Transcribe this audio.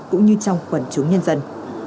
cũng như trong quần chúng nhân dân